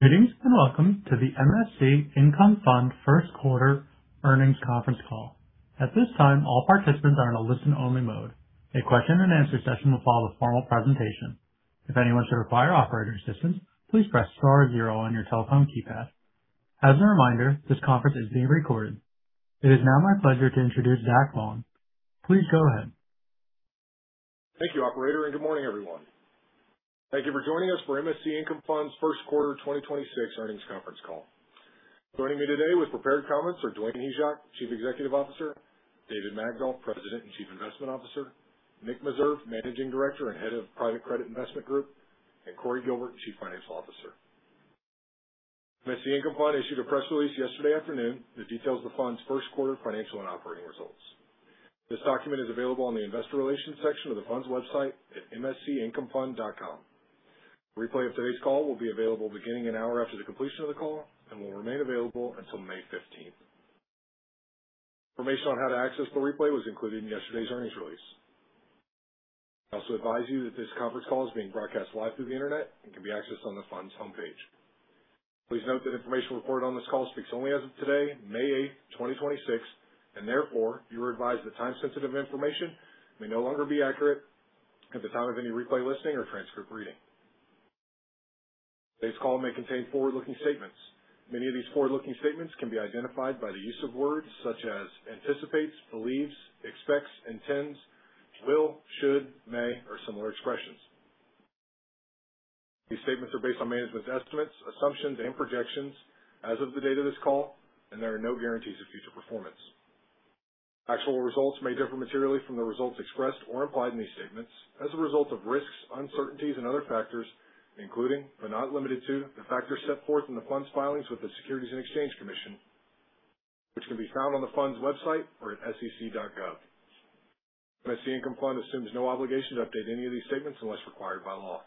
Greetings, welcome to the MSC Income Fund first quarter earnings conference call. At this time, all participants are in a listen-only mode. A question and answer session will follow the formal presentation. If anyone should require operator assistance, please press star zero on your telephone keypad. As a reminder, this conference is being recorded. It is now my pleasure to introduce Zach Long. Please go ahead. Thank you, operator, good morning, everyone. Thank you for joining us for MSC Income Fund's first quarter 2026 earnings conference call. Joining me today with prepared comments are Dwayne Hyzak, Chief Executive Officer, David Magdol, President and Chief Investment Officer, Nicholas Meserve, Managing Director and Head of Private Credit Investment Group, and Cory Gilbert, Chief Financial Officer. MSC Income Fund issued a press release yesterday afternoon that details the fund's first quarter financial and operating results. This document is available on the investor relations section of the fund's website at mscincomefund.com. A replay of today's call will be available beginning an hour after the completion of the call and will remain available until May 15th. Information on how to access the replay was included in yesterday's earnings release. I also advise you that this conference call is being broadcast live through the internet and can be accessed on the fund's homepage. Please note that information reported on this call speaks only as of today, May 8th, 2026, therefore, you are advised that time-sensitive information may no longer be accurate at the time of any replay listening or transcript reading. Today's call may contain forward-looking statements. Many of these forward-looking statements can be identified by the use of words such as anticipates, believes, expects, intends, will, should, may, or similar expressions. These statements are based on management's estimates, assumptions, and projections as of the date of this call, there are no guarantees of future performance. Actual results may differ materially from the results expressed or implied in these statements as a result of risks, uncertainties, and other factors, including, but not limited to, the factors set forth in the fund's filings with the Securities and Exchange Commission, which can be found on the fund's website or at sec.gov. MSC Income Fund assumes no obligation to update any of these statements unless required by law.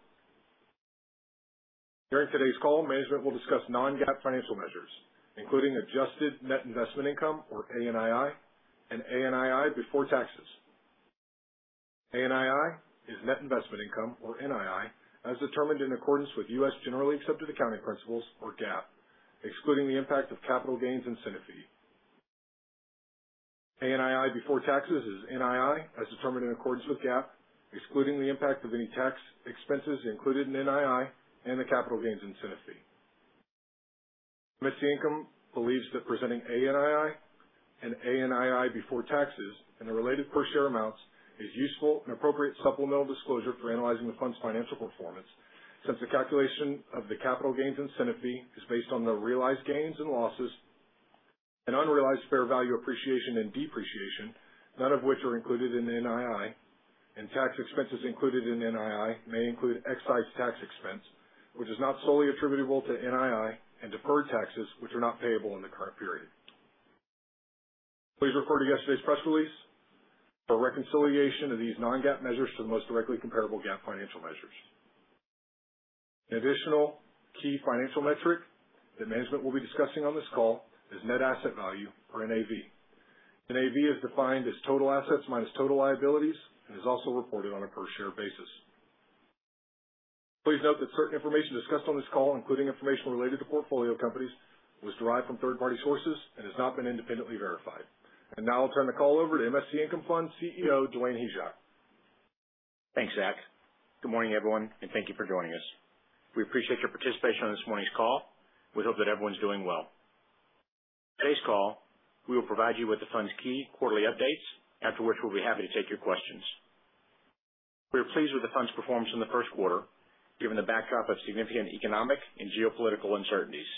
During today's call, management will discuss non-GAAP financial measures, including adjusted net investment income, or ANII, and ANII before taxes. ANII is net investment income, or NII, as determined in accordance with U.S. generally accepted accounting principles, or GAAP, excluding the impact of capital gains incentive fee. ANII before taxes is NII as determined in accordance with GAAP, excluding the impact of any tax expenses included in NII and the capital gains incentive fee. MSC Income believes that presenting ANII and ANII before taxes and the related per share amounts is useful and appropriate supplemental disclosure for analyzing the fund's financial performance, since the calculation of the capital gains incentive fee is based on the realized gains and losses and unrealized fair value appreciation and depreciation, none of which are included in the NII, and tax expenses included in NII may include excise tax expense, which is not solely attributable to NII, and deferred taxes, which are not payable in the current period. Please refer to yesterday's press release for a reconciliation of these non-GAAP measures to the most directly comparable GAAP financial measures. An additional key financial metric that management will be discussing on this call is net asset value, or NAV. NAV is defined as total assets minus total liabilities and is also reported on a per share basis. Please note that certain information discussed on this call, including information related to portfolio companies, was derived from third-party sources and has not been independently verified. Now I'll turn the call over to MSC Income Fund CEO, Dwayne Hyzak. Thanks, Zach. Good morning, everyone. Thank you for joining us. We appreciate your participation on this morning's call. We hope that everyone's doing well. Today's call, we will provide you with the fund's key quarterly updates. Afterwards, we'll be happy to take your questions. We are pleased with the fund's performance in the first quarter, given the backdrop of significant economic and geopolitical uncertainties.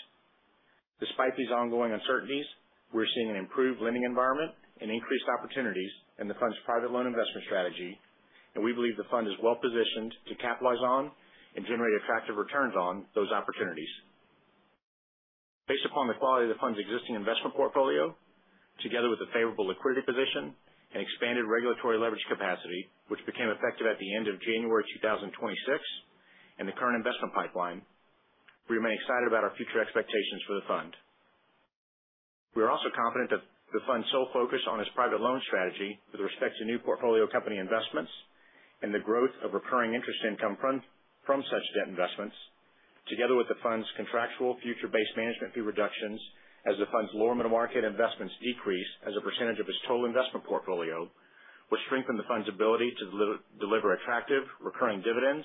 Despite these ongoing uncertainties, we're seeing an improved lending environment and increased opportunities in the fund's private loan investment strategy. We believe the fund is well-positioned to capitalize on and generate attractive returns on those opportunities. Based upon the quality of the fund's existing investment portfolio, together with a favorable liquidity position and expanded regulatory leverage capacity, which became effective at the end of January 2026. The current investment pipeline, we remain excited about our future expectations for the fund. We are also confident that the fund's sole focus on its private loan strategy with respect to new portfolio company investments and the growth of recurring interest income from such debt investments, together with the fund's contractual future-based management fee reductions as the fund's lower market investments decrease as a percentage of its total investment portfolio, will strengthen the fund's ability to deliver attractive recurring dividends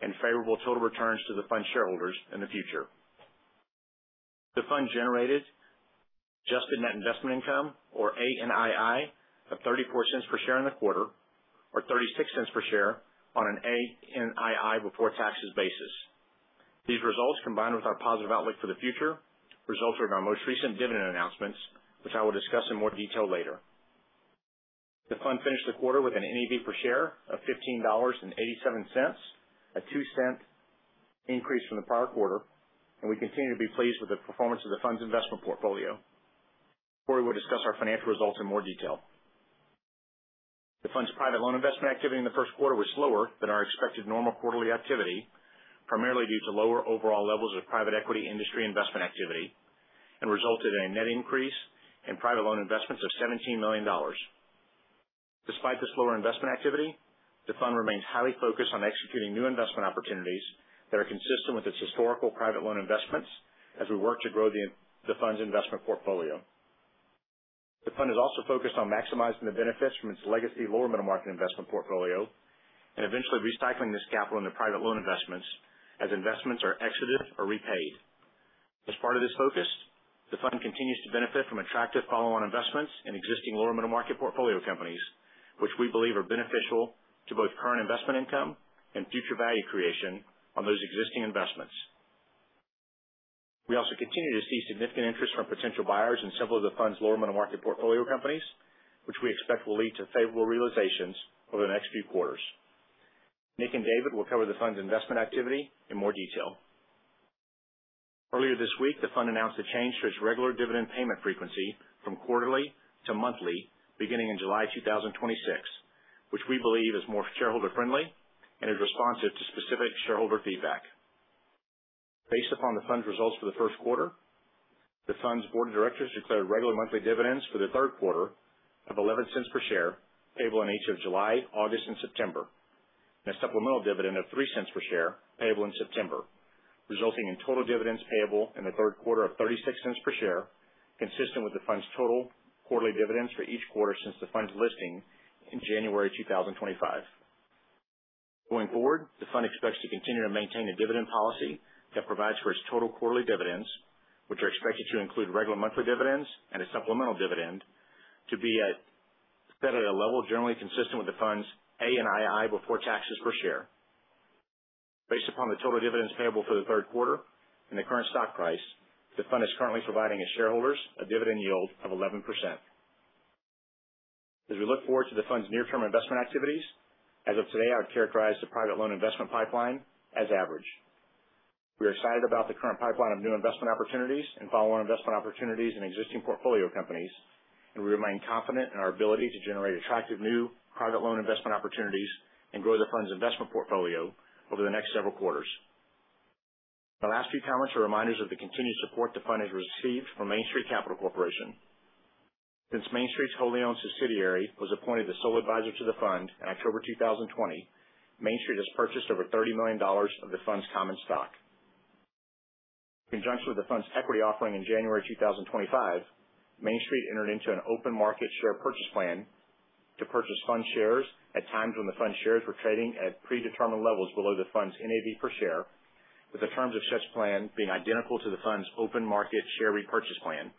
and favorable total returns to the fund shareholders in the future. The fund generated adjusted net investment income, or ANII, of $0.34 per share in the quarter, or $0.36 per share on an ANII before taxes basis. These results, combined with our positive outlook for the future, resulted in our most recent dividend announcements, which I will discuss in more detail later. The fund finished the quarter with an NAV per share of $15.87, a $0.02 increase from the prior quarter. We continue to be pleased with the performance of the fund's investment portfolio, where we'll discuss our financial results in more detail. The fund's private loan investment activity in the first quarter was slower than our expected normal quarterly activity, primarily due to lower overall levels of private equity industry investment activity, and resulted in a net increase in private loan investments of $17 million. Despite this lower investment activity, the fund remains highly focused on executing new investment opportunities that are consistent with its historical private loan investments as we work to grow the fund's investment portfolio. The fund is also focused on maximizing the benefits from its legacy lower middle market investment portfolio and eventually recycling this capital into private loan investments as investments are exited or repaid. As part of this focus, the fund continues to benefit from attractive follow-on investments in existing lower middle market portfolio companies, which we believe are beneficial to both current investment income and future value creation on those existing investments. We also continue to see significant interest from potential buyers in several of the fund's lower middle market portfolio companies, which we expect will lead to favorable realizations over the next few quarters. Nick and David will cover the fund's investment activity in more detail. Earlier this week, the fund announced a change to its regular dividend payment frequency from quarterly to monthly beginning in July 2026, which we believe is more shareholder-friendly and is responsive to specific shareholder feedback. Based upon the fund's results for the first quarter, the fund's board of directors declared regular monthly dividends for the third quarter of $0.11 per share payable in each of July, August, and September. A supplemental dividend of $0.03 per share payable in September, resulting in total dividends payable in the third quarter of $0.36 per share, consistent with the fund's total quarterly dividends for each quarter since the fund's listing in January 2025. Going forward, the fund expects to continue to maintain a dividend policy that provides for its total quarterly dividends, which are expected to include regular monthly dividends and a supplemental dividend to be set at a level generally consistent with the fund's ANII before taxes per share. Based upon the total dividends payable for the third quarter and the current stock price, the fund is currently providing its shareholders a dividend yield of 11%. As we look forward to the fund's near-term investment activities, as of today, I would characterize the private loan investment pipeline as average. We are excited about the current pipeline of new investment opportunities and follow-on investment opportunities in existing portfolio companies, and we remain confident in our ability to generate attractive new private loan investment opportunities and grow the fund's investment portfolio over the next several quarters. My last few comments are reminders of the continued support the fund has received from Main Street Capital Corporation. Since Main Street's wholly owned subsidiary was appointed the sole advisor to the fund in October 2020, Main Street has purchased over $30 million of the fund's common stock. In conjunction with the fund's equity offering in January 2020, Main Street entered into an open market share purchase plan to purchase fund shares at times when the fund shares were trading at predetermined levels below the fund's NAV per share, with the terms of such plan being identical to the fund's open market share repurchase plan,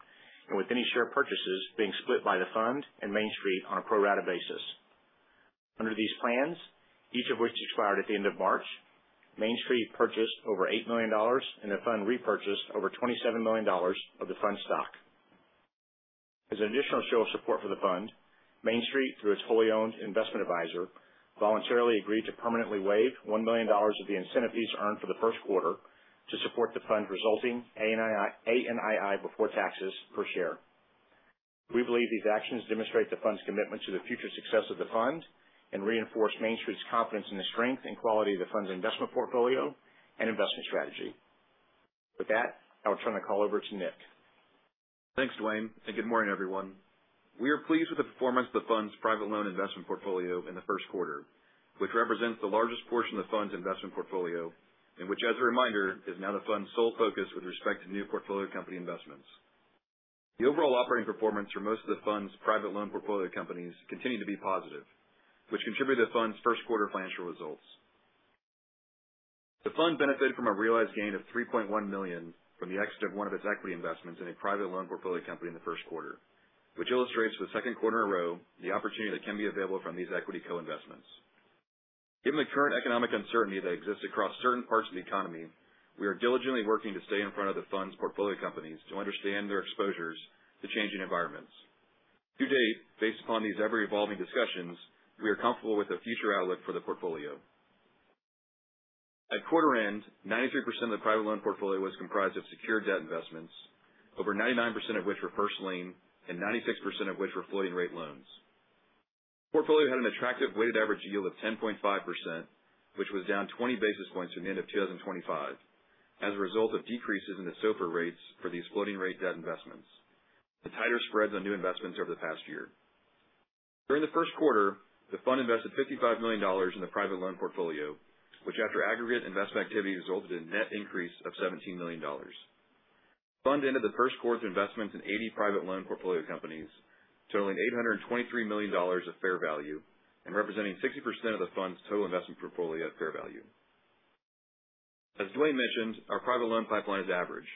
and with any share purchases being split by the fund and Main Street on a pro rata basis. Under these plans, each of which expired at the end of March, Main Street purchased over $8 million and the fund repurchased over $27 million of the fund stock. As an additional show of support for the fund, Main Street, through its wholly owned investment advisor, voluntarily agreed to permanently waive $1 million of the incentive fees earned for the first quarter to support the fund resulting ANII before taxes per share. We believe these actions demonstrate the fund's commitment to the future success of the fund and reinforce Main Street's confidence in the strength and quality of the fund's investment portfolio and investment strategy. With that, I will turn the call over to Nick. Thanks, Dwayne, and good morning, everyone. We are pleased with the performance of the fund's private loan investment portfolio in the first quarter, which represents the largest portion of the fund's investment portfolio, and which, as a reminder, is now the fund's sole focus with respect to new portfolio company investments. The overall operating performance for most of the fund's private loan portfolio companies continue to be positive, which contributed to the fund's first quarter financial results. The fund benefited from a realized gain of $3.1 million from the exit of one of its equity investments in a private loan portfolio company in the first quarter, which illustrates for the second quarter in a row the opportunity that can be available from these equity co-investments. Given the current economic uncertainty that exists across certain parts of the economy, we are diligently working to stay in front of the fund's portfolio companies to understand their exposures to changing environments. To date, based upon these ever-evolving discussions, we are comfortable with the future outlook for the portfolio. At quarter end, 93% of the private loan portfolio was comprised of secured debt investments, over 99% of which were first lien, and 96% of which were floating rate loans. The portfolio had an attractive weighted average yield of 10.5%, which was down 20 basis points from the end of 2025 as a result of decreases in the SOFR rates for these floating-rate debt investments. The tighter spreads on new investments over the past year. During the first quarter, the fund invested $55 million in the private loan portfolio, which after aggregate investment activity resulted in net increase of $17 million. The fund entered the first quarter with investments in 80 private loan portfolio companies totaling $823 million of fair value and representing 60% of the fund's total investment portfolio at fair value. As Dwayne mentioned, our private loan pipeline is average.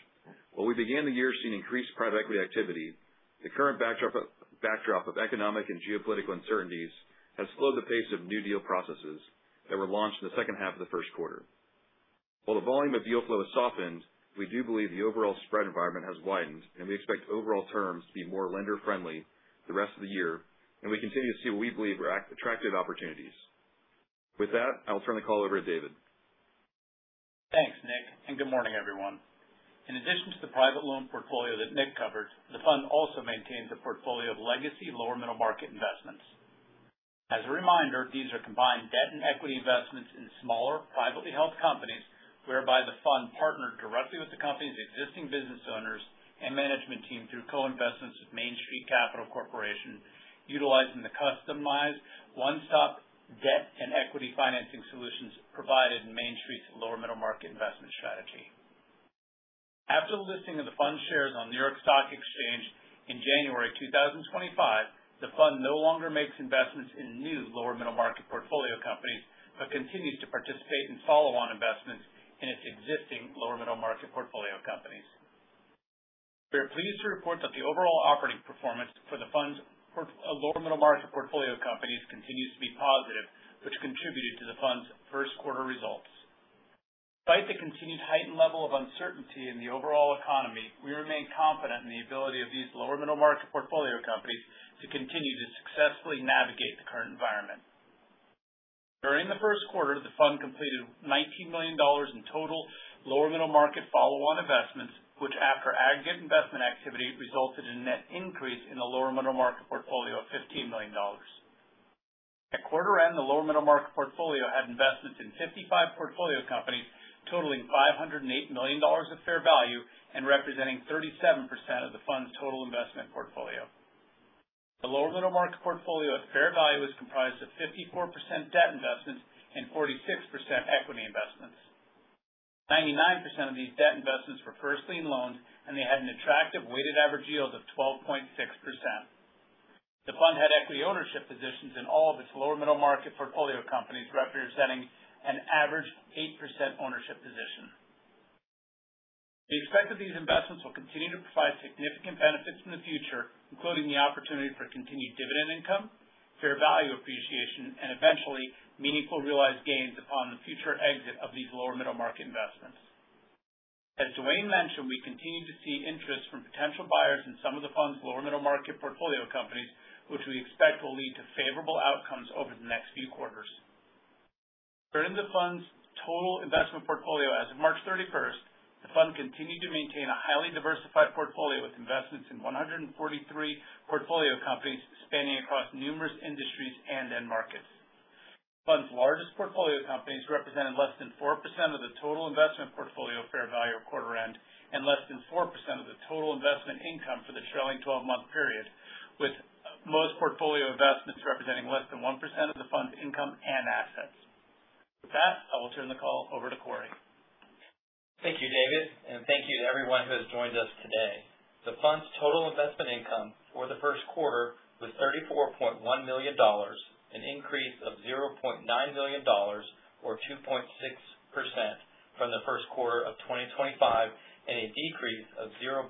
While we began the year seeing increased private equity activity, the current backdrop of economic and geopolitical uncertainties has slowed the pace of new deal processes that were launched in the second half of the first quarter. The volume of deal flow has softened, we do believe the overall spread environment has widened. We expect overall terms to be more lender-friendly the rest of the year. We continue to see what we believe are attractive opportunities. With that, I will turn the call over to David. Thanks, Nick, and good morning, everyone. In addition to the private loan portfolio that Nick covered, the fund also maintains a portfolio of legacy lower middle market investments. As a reminder, these are combined debt and equity investments in smaller, privately held companies Whereby the fund partnered directly with the company's existing business owners and management team through co-investments with Main Street Capital Corporation, utilizing the customized one-stop debt and equity financing solutions provided in Main Street's lower middle market investment strategy. After listing of the fund shares on New York Stock Exchange in January 2025, the fund no longer makes investments in new lower middle market portfolio companies, but continues to participate in follow-on investments in its existing lower middle market portfolio companies. We are pleased to report that the overall operating performance for the fund's lower middle market portfolio companies continues to be positive, which contributed to the fund's first quarter results. Despite the continued heightened level of uncertainty in the overall economy, we remain confident in the ability of these lower middle market portfolio companies to continue to successfully navigate the current environment. During the first quarter, the fund completed $19 million in total lower middle market follow-on investments, which after aggregate investment activity, resulted in a net increase in the lower middle market portfolio of $15 million. At quarter end, the lower middle market portfolio had investments in 55 portfolio companies totaling $508 million of fair value and representing 37% of the fund's total investment portfolio. The lower middle market portfolio of fair value is comprised of 54% debt investments and 46% equity investments. 99% of these debt investments were first lien loans, and they had an attractive weighted average yield of 12.6%. The fund had equity ownership positions in all of its lower middle market portfolio companies, representing an average 8% ownership position. We expect that these investments will continue to provide significant benefits in the future, including the opportunity for continued dividend income, fair value appreciation, and eventually, meaningful realized gains upon the future exit of these lower middle market investments. As Dwayne mentioned, we continue to see interest from potential buyers in some of the fund's lower middle market portfolio companies, which we expect will lead to favorable outcomes over the next few quarters. During the fund's total investment portfolio as of March 31st, the fund continued to maintain a highly diversified portfolio with investments in 143 portfolio companies spanning across numerous industries and end markets. Fund's largest portfolio companies represented less than 4% of the total investment portfolio fair value at quarter end, and less than 4% of the total investment income for the trailing 12-month period, with most portfolio investments representing less than 1% of the fund's income and assets. With that, I will turn the call over to Cory. Thank you, David, and thank you to everyone who has joined us today. The fund's total investment income for the first quarter was $34.1 million, an increase of $0.9 million, or 2.6%, from the first quarter of 2025, and a decrease of $0.8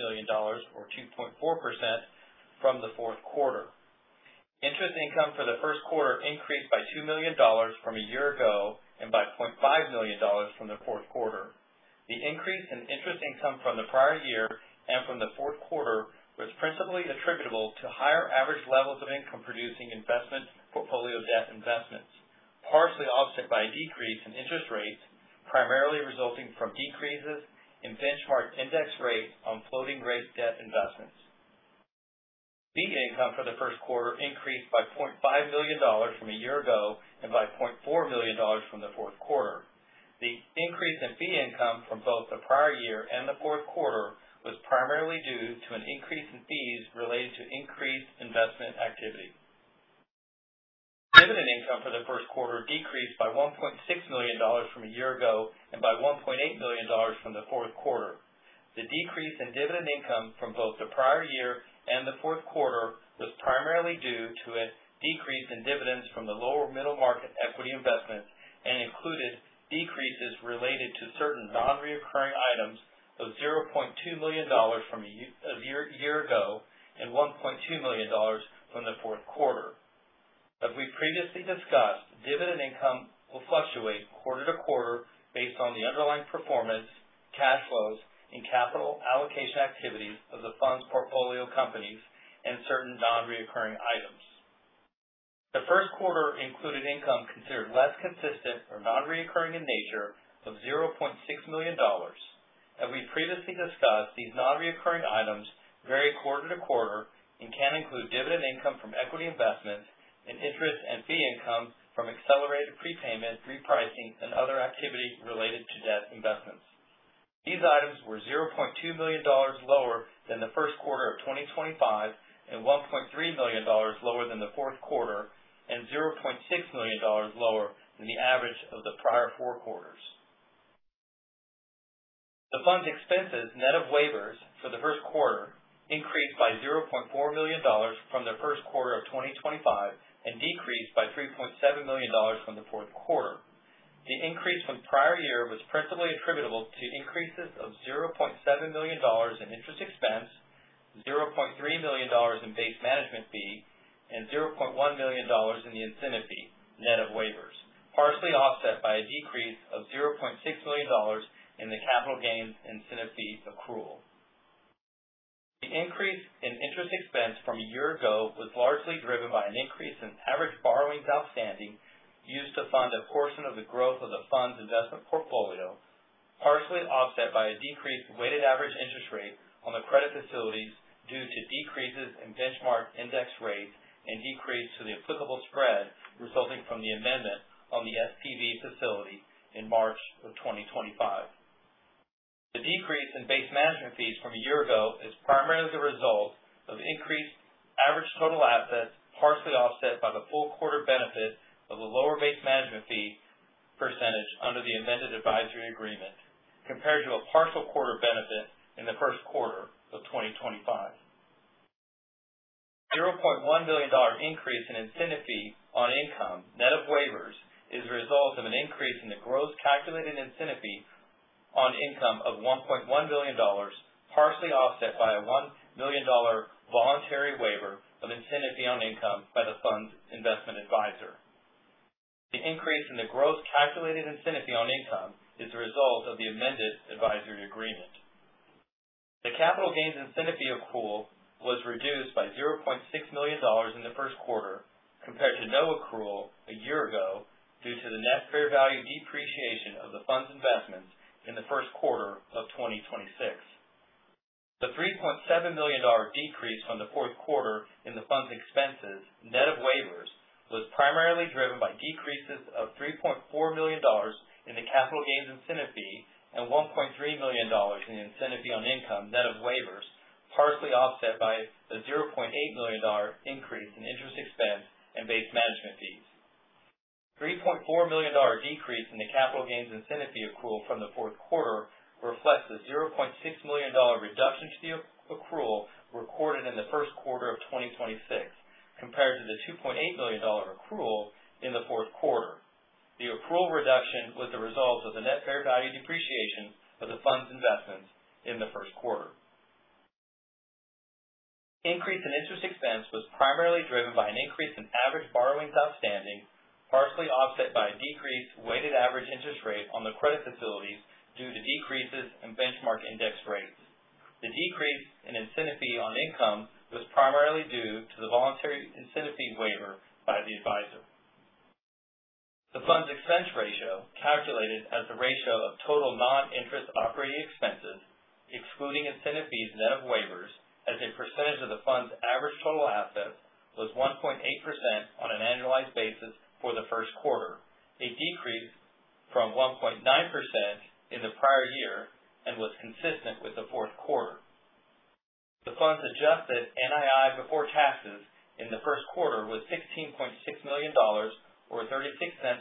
million, or 2.4%, from the fourth quarter. Interest income for the first quarter increased by $2 million from a year ago and by $0.5 million from the fourth quarter. The increase in interest income from the prior year and from the fourth quarter was principally attributable to higher average levels of income-producing investment portfolio debt investments, partially offset by a decrease in interest rates, primarily resulting from decreases in benchmark index rates on floating-rate debt investments. Fee income for the first quarter increased by $0.5 million from a year ago and by $0.4 million from the fourth quarter. The increase in fee income from both the prior year and the fourth quarter was primarily due to an increase in fees related to increased investment activity. Dividend income for the first quarter decreased by $1.6 million from a year ago and by $1.8 million from the fourth quarter. The decrease in dividend income from both the prior year and the fourth quarter was primarily due to a decrease in dividends from the lower middle market equity investment and included decreases related to certain non-recurring items of $0.2 million from a year ago and $1.2 million from the fourth quarter. As we previously discussed, dividend income will fluctuate quarter to quarter based on the underlying performance, cash flows, and capital allocation activities of the fund's portfolio companies and certain non-recurring items. The first quarter included income considered less consistent or non-recurring in nature of $0.6 million. As we previously discussed, these non-recurring items vary quarter to quarter and can include dividend income from equity investments, and interest and fee income from accelerated prepayment, repricing, and other activity related to debt investments. These items were $0.2 million lower than the first quarter of 2025, and $1.3 million lower than the fourth quarter, and $0.6 million lower than the average of the prior four quarters. The fund's expenses, net of waivers for the first quarter, increased by $0.4 million from the first quarter of 2025 and decreased by $3.7 million from the fourth quarter. The increase from the prior year was principally attributable to increases of $0.7 million in interest expense, $0.3 million in base management fee, and $0.1 million in the incentive fee, net of waivers, partially offset by a decrease of $0.6 million in the capital gains incentive fee accrual. The increase in interest expense from a year ago was largely driven by an increase in average borrowings outstanding used to fund a portion of the growth of the fund's investment portfolio, partially offset by a decreased weighted average interest rate on the credit facilities due to decreases in benchmark index rates and decrease to the applicable spread resulting from the amendment on the SPV Facility in March of 2025. The decrease in base management fees from a year ago is primarily the result of increased average total assets, partially offset by the full quarter benefit of a lower base management fee percentage under the amended advisory agreement, compared to a partial quarter benefit in the first quarter of 2025. $0.1 billion increase in incentive fee on income, net of waivers, is a result of an increase in the gross calculated incentive fee on income of $1.1 billion, partially offset by a $1 million voluntary waiver of incentive fee on income by the fund's investment advisor. The increase in the gross calculated incentive fee on income is the result of the amended advisory agreement. The capital gains incentive fee accrual was reduced by $0.6 million in the first quarter compared to no accrual a year ago, due to the net fair value depreciation of the fund's investments in the first quarter of 2026. The $3.7 million decrease from the fourth quarter in the Fund's expenses, net of waivers, was primarily driven by decreases of $3.4 million in the capital gains incentive fee and $1.3 million in the incentive fee on income net of waivers, partially offset by the $0.8 million increase in interest expense and base management fees. The $3.4 million decrease in the capital gains incentive fee accrual from the fourth quarter reflects the $0.6 million reduction to the accrual recorded in the first quarter of 2026, compared to the $2.8 million accrual in the fourth quarter. The accrual reduction was the result of the net fair value depreciation of the Fund's investments in the first quarter. Increase in interest expense was primarily driven by an increase in average borrowings outstanding, partially offset by a decreased weighted-average interest rate on the credit facilities due to decreases in benchmark index rates. The decrease in incentive fee on income was primarily due to the voluntary incentive fee waiver by the advisor. The Fund's expense ratio, calculated as the ratio of total non-interest operating expenses, excluding incentive fees net of waivers as a percentage of the Fund's average total assets, was 1.8% on an annualized basis for the first quarter, a decrease from 1.9% in the prior year and was consistent with the fourth quarter. The Fund's adjusted NII before taxes in the first quarter was $16.6 million or $0.36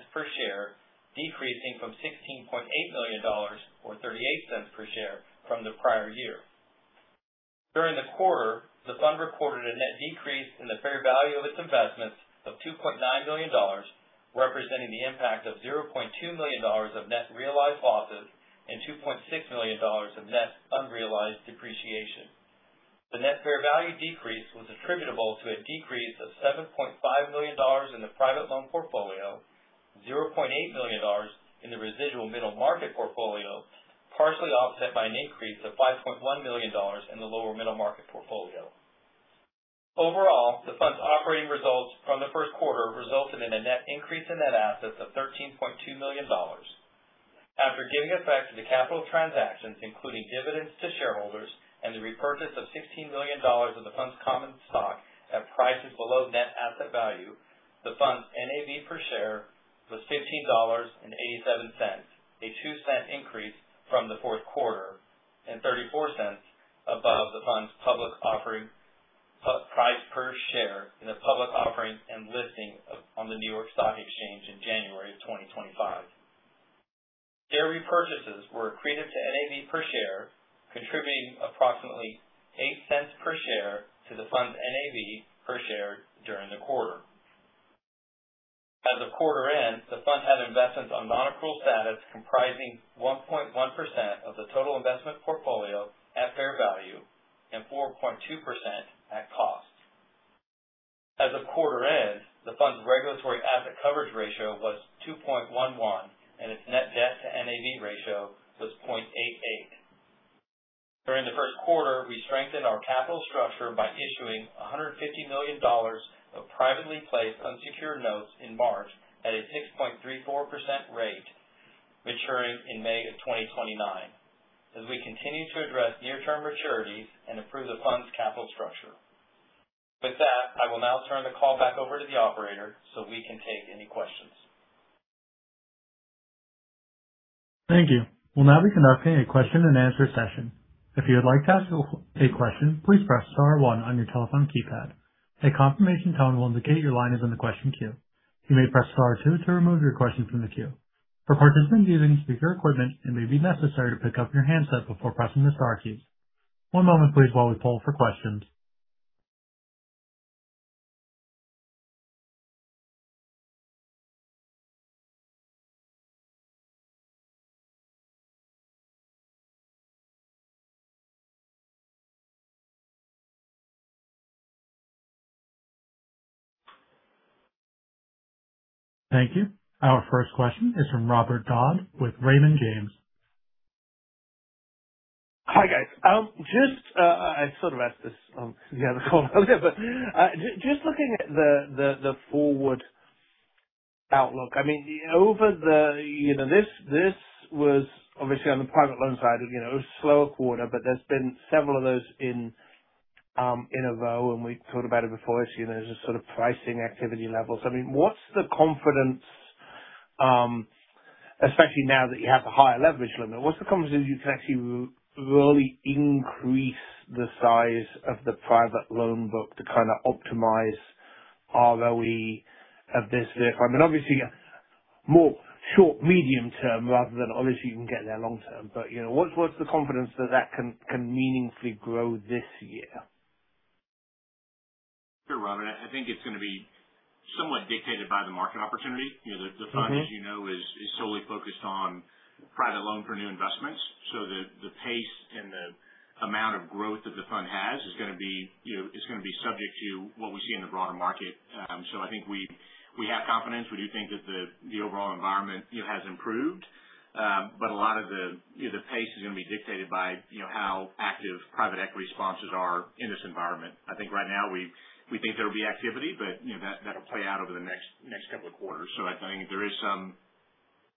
per share, decreasing from $16.8 million or $0.38 per share from the prior year. During the quarter, the Fund recorded a net decrease in the fair value of its investments of $2.9 million, representing the impact of $0.2 million of net realized losses and $2.6 million of net unrealized depreciation. The net fair value decrease was attributable to a decrease of $7.5 million in the private loan portfolio, $0.8 million in the residual middle market portfolio, partially offset by an increase of $5.1 million in the lower middle market portfolio. Overall, the Fund's operating results from the first quarter resulted in a net increase in net assets of $13.2 million. After giving effect to the capital transactions, including dividends to shareholders and the repurchase of $16 million of the Fund's common stock at prices below net asset value, the Fund's NAV per share was $15.87, a $0.02 increase from the fourth quarter, and $0.34 above the Fund's public offering price per share in the public offering and listing on the New York Stock Exchange in January of 2025. Share repurchases were accreted to NAV per share, contributing approximately $0.08 per share to the Fund's NAV per share during the quarter. As of quarter end, the Fund had investments on non-accrual status comprising 1.1% of the total investment portfolio at fair value and 4.2% at cost. As of quarter end, the Fund's regulatory asset coverage ratio was 2.11, and its net debt to NAV ratio was 0.88. During the first quarter, we strengthened our capital structure by issuing $150 million of privately placed unsecured notes in March at a 6.34% rate, maturing in May of 2029, as we continue to address near-term maturities and improve the fund's capital structure. With that, I will now turn the call back over to the operator so we can take any questions. Thank you. We'll now be conducting a question and answer session. If you would like to ask or take questions, please press star one on your telephone keypad. A confirmation tone will indicate your line is in the question queue. You may press star two to remove your question from the queue. For participants using speaker equipment, it may be necessary to pick up your handset before pressing the star keys. One moment please while we poll for questions. Thank you. Our first question is from Robert Dodd with Raymond James. Hi, guys. I sort of asked this on the other call. Just looking at the forward outlook. This was obviously on the private loan side, slower quarter, There's been several of those in a row, and we've talked about it before, just sort of pricing activity levels. What's the confidence, especially now that you have the higher leverage limit, what's the confidence you can actually really increase the size of the private loan book to kind of optimize ROE of this fund? Obviously, more short-medium term rather than obviously you can get there long-term. What's the confidence that that can meaningfully grow this year? Sure, Robert. I think it's going to be somewhat dictated by the market opportunity. The fund, as you know, is solely focused on private loan for new investments. The pace and the amount of growth that the fund has is going to be subject to what we see in the broader market. I think we have confidence. We do think that the overall environment has improved. A lot of the pace is going to be dictated by how active private equity sponsors are in this environment. I think right now we think there'll be activity, but that'll play out over the next couple of quarters. I think there is some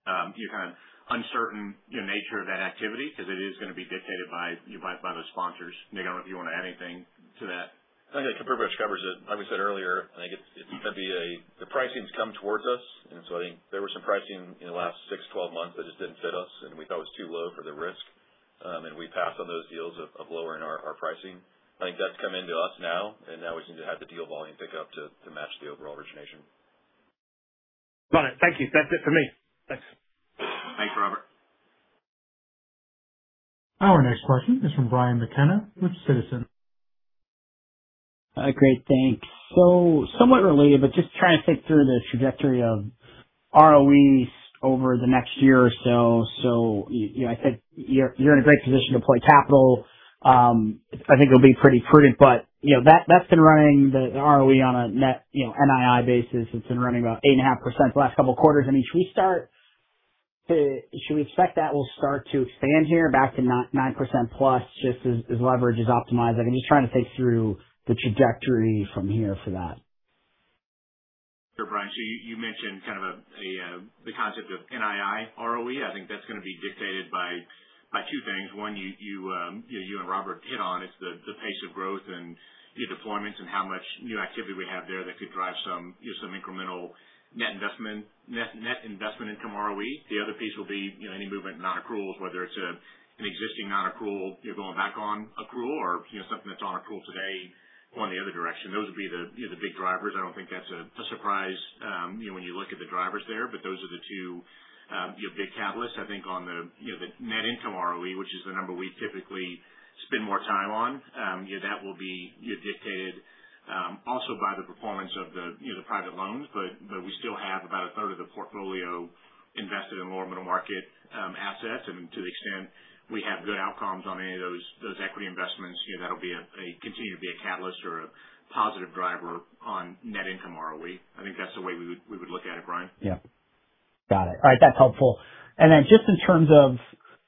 kind of uncertain nature of that activity because it is going to be dictated by the sponsors. Nick, I don't know if you want to add anything to that. I think that pretty much covers it. Like we said earlier, I think it's going to be the pricing's come towards us. I think there was some pricing in the last six, 12 months that just didn't fit us and we thought was too low for the risk. We passed on those deals of lowering our pricing. I think that's come into us now. Now we seem to have the deal volume pick up to match the overall origination. Got it. Thank you. That's it for me. Thanks. Thanks, Robert. Our next question is from Brian McKenna with Citizens JMP. Great, thanks. Somewhat related, but just trying to think through the trajectory of ROEs over the next year or so. I said you're in a great position to play capital. I think it'll be pretty prudent. That's been running the ROE on a net NII basis. It's been running about 8.5% the last couple of quarters. Should we expect that we'll start to expand here back to 9% plus just as leverage is optimized? I'm just trying to think through the trajectory from here for that. Sure, Brian. You mentioned kind of the concept of NII ROE. I think that's going to be dictated by two things. One, you and Robert hit on is the pace of growth and the deployments and how much new activity we have there that could drive some incremental net investment income ROE. The other piece will be any movement in non-accruals, whether it's an existing non-accrual going back on accrual or something that's on accrual today going the other direction. Those would be the big drivers. I don't think that's a surprise when you look at the drivers there. Those are the two big catalysts. I think on the net income ROE, which is the number we typically spend more time on. That will be dictated also by the performance of the private loans. We still have about a third of the portfolio invested in lower middle market assets. To the extent we have good outcomes on any of those equity investments, that'll continue to be a catalyst or a positive driver on net income ROE. I think that's the way we would look at it, Brian. Yeah. Got it. All right. That's helpful. Just in terms of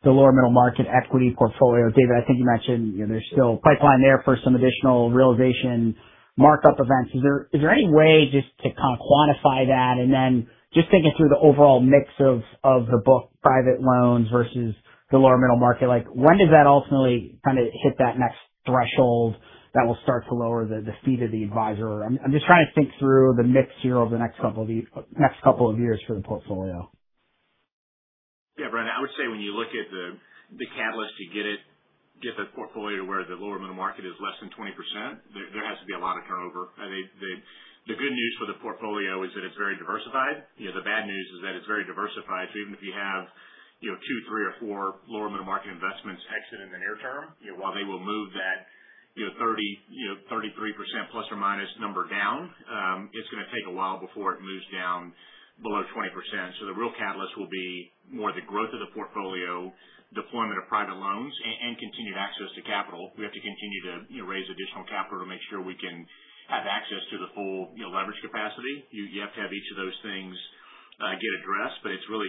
the lower middle market equity portfolio, David, I think you mentioned there's still pipeline there for some additional realization markup events. Is there any way just to kind of quantify that? Just thinking through the overall mix of the book private loans versus the lower middle market, when does that ultimately kind of hit that next threshold that will start to lower the fee to the advisor? I'm just trying to think through the mix here over the next couple of years for the portfolio. Yeah, Brian, I would say when you look at the catalyst to get the portfolio to where the lower middle market is less than 20%, there has to be a lot of turnover. The good news for the portfolio is that it's very diversified. The bad news is that it's very diversified. Even if you have two, three, or four lower middle market investments exit in the near term, while they will move that 33% plus or minus number down, it's going to take a while before it moves down below 20%. The real catalyst will be more the growth of the portfolio, deployment of private loans, and continued access to capital. We have to continue to raise additional capital to make sure we can have access to the full leverage capacity. You have to have each of those things get addressed, it's really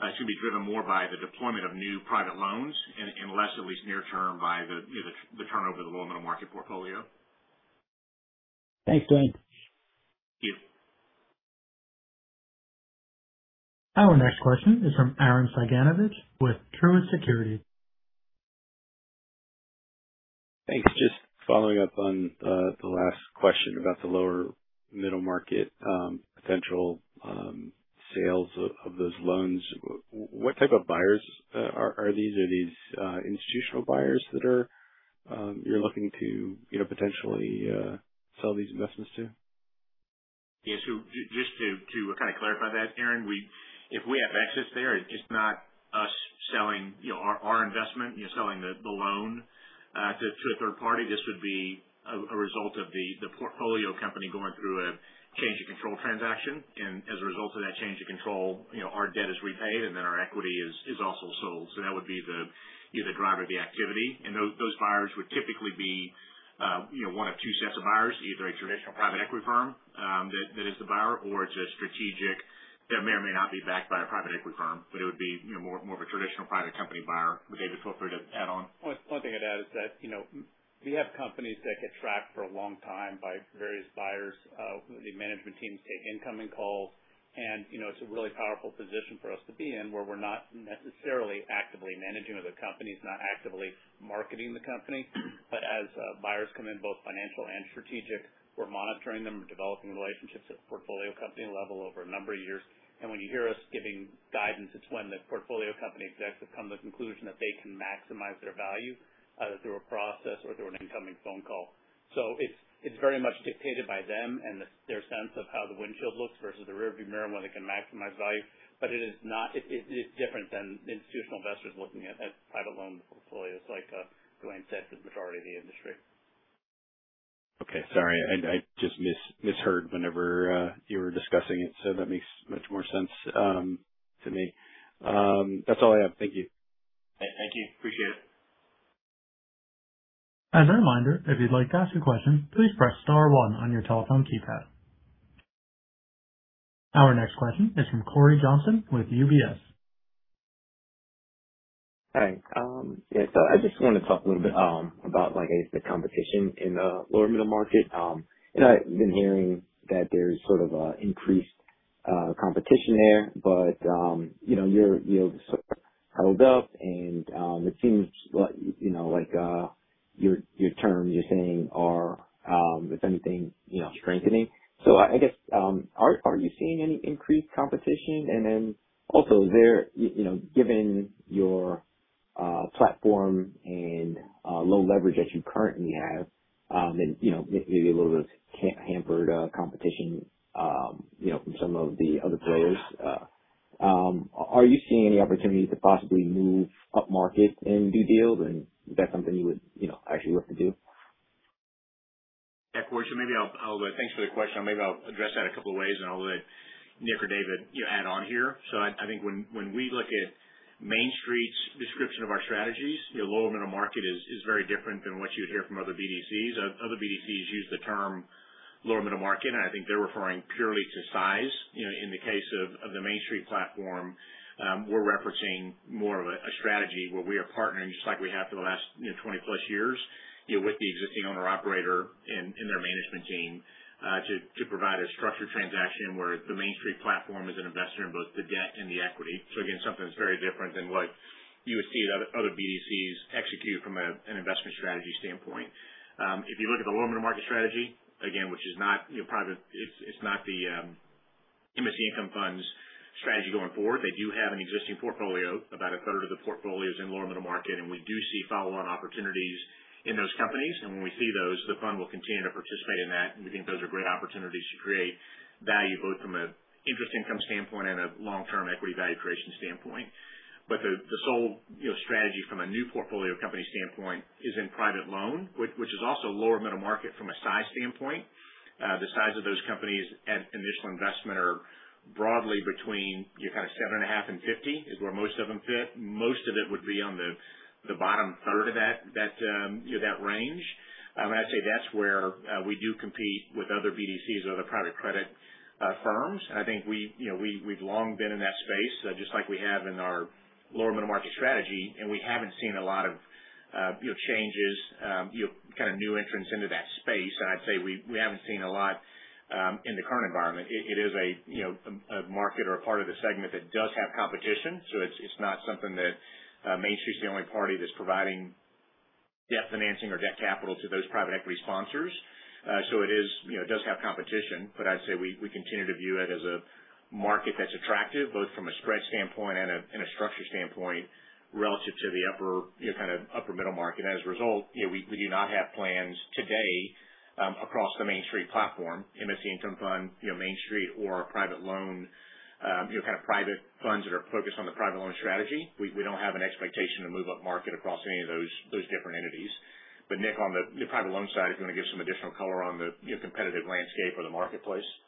going to be driven more by the deployment of new private loans and less, at least near term, by the turnover of the lower middle market portfolio. Thanks, Dave. Thank you. Our next question is from Aaron Cyganowicz with Truist Securities. Thanks. Just following up on the last question about the lower middle market potential sales of those loans. What type of buyers are these? Are these institutional buyers that you're looking to potentially sell these investments to? Yeah. Just to kind of clarify that, Aaron, if we have access there, it's not Selling our investment, selling the loan to a third party. This would be a result of the portfolio company going through a change of control transaction. As a result of that change of control, our debt is repaid, our equity is also sold. That would be the driver of the activity. Those buyers would typically be one of two sets of buyers, either a traditional private equity firm that is the buyer, or it's a strategic that may or may not be backed by a private equity firm, but it would be more of a traditional private company buyer. David, feel free to add on. One thing I'd add is that, we have companies that get tracked for a long time by various buyers. The management teams take incoming calls, and it's a really powerful position for us to be in where we're not necessarily actively managing other companies, not actively marketing the company. As buyers come in, both financial and strategic, we're monitoring them. We're developing relationships at the portfolio company level over a number of years. When you hear us giving guidance, it's when the portfolio company execs have come to the conclusion that they can maximize their value, either through a process or through an incoming phone call. It's very much dictated by them and their sense of how the windshield looks versus the rearview mirror and when they can maximize value. It is different than institutional investors looking at private loan portfolios like Dwayne said, the majority of the industry. Okay. Sorry, I just misheard whenever you were discussing it, that makes much more sense to me. That's all I have. Thank you. Thank you. Appreciate it. As a reminder, if you'd like to ask a question, please press star one on your telephone keypad. Our next question is from Corey Johnson with UBS. Hi. Yeah, I just want to talk a little bit about, I guess, the competition in the lower middle market. I've been hearing that there's sort of an increased competition there, but your yields have held up and it seems like your terms, you're saying, are, if anything, strengthening. I guess, are you seeing any increased competition? Given your platform and low leverage that you currently have, then maybe a little bit of hampered competition from some of the other players. Are you seeing any opportunity to possibly move upmarket and do deals? Is that something you would actually look to do? Yeah. Corey, thanks for the question. Maybe I'll address that a couple of ways, and I'll let Nick or David add on here. I think when we look at Main Street's description of our strategies, lower middle market is very different than what you would hear from other BDCs. Other BDCs use the term lower middle market, and I think they're referring purely to size. In the case of the Main Street platform, we're referencing more of a strategy where we are partnering, just like we have for the last 20-plus years, with the existing owner/operator and their management team, to provide a structured transaction where the Main Street platform is an investor in both the debt and the equity. Again, something that's very different than what you would see other BDCs execute from an investment strategy standpoint. If you look at the lower middle market strategy, again, which it's not the MSC Income Fund's strategy going forward. They do have an existing portfolio. About a third of the portfolio is in lower middle market, and we do see follow-on opportunities in those companies. When we see those, the fund will continue to participate in that. We think those are great opportunities to create value, both from an interest income standpoint and a long-term equity value creation standpoint. The sole strategy from a new portfolio company standpoint is in private loan, which is also lower middle market from a size standpoint. The size of those companies at initial investment are broadly between kind of 7.5 and 50 is where most of them fit. Most of it would be on the bottom third of that range. I'd say that's where we do compete with other BDCs or other private credit firms. I think we've long been in that space, just like we have in our lower middle market strategy, we haven't seen a lot of changes, kind of new entrants into that space. I'd say we haven't seen a lot in the current environment. It is a market or a part of the segment that does have competition. It's not something that Main Street's the only party that's providing debt financing or debt capital to those private equity sponsors. It does have competition, but I'd say we continue to view it as a market that's attractive, both from a spread standpoint and a structure standpoint relative to the upper middle market. As a result, we do not have plans today across the Main Street platform, MSC Income Fund, Main Street or our private loan, kind of private funds that are focused on the private loan strategy. We don't have an expectation to move upmarket across any of those different entities. Nick, on the private loan side, if you want to give some additional color on the competitive landscape or the marketplace. Yeah.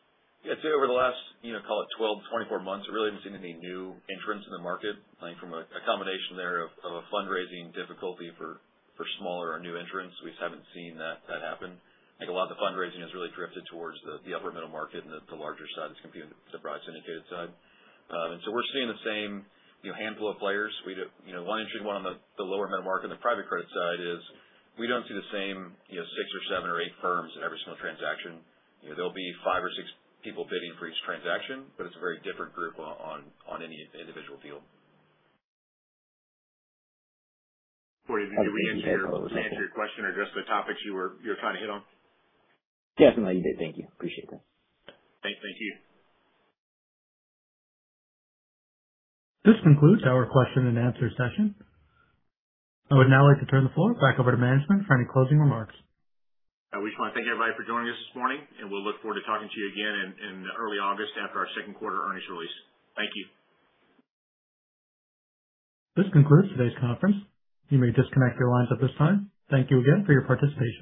I'd say over the last, call it 12 to 24 months, there really haven't seen any new entrants in the market, from a combination there of a fundraising difficulty for smaller or new entrants. We just haven't seen that happen. I think a lot of the fundraising has really drifted towards the upper middle market and the larger side that's competing with the private syndicated side. We're seeing the same handful of players. One interesting one on the lower middle market on the private credit side is we don't see the same 6 or 7 or 8 firms in every single transaction. There'll be 5 or 6 people bidding for each transaction, but it's a very different group on any individual deal. Corey, did we answer your question or address the topics you were trying to hit on? Yes. You did. Thank you. Appreciate that. Thank you. This concludes our question and answer session. I would now like to turn the floor back over to management for any closing remarks. We just want to thank everybody for joining us this morning. We'll look forward to talking to you again in early August after our second quarter earnings release. Thank you. This concludes today's conference. You may disconnect your lines at this time. Thank you again for your participation.